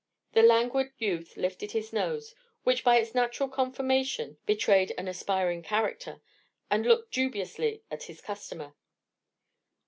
The languid youth lifted his nose, which by its natural conformation betrayed an aspiring character, and looked dubiously at his customer.